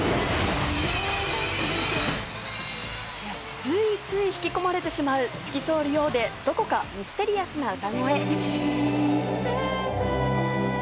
ついつい引き込まれてしまう、透き通っているようでどこかミステリアスな歌声。